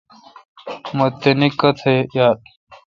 من تینہ کتہ یال۔